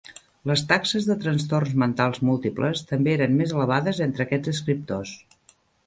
Les taxes de trastorns mentals múltiples també eren més elevades entre aquests escriptors.